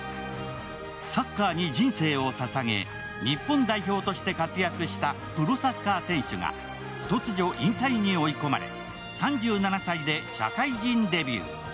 サッカーに人生をささげ、日本代表として活躍したプロサッカー選手が、突如引退に追い込まれ、３７歳で社会人デビュー。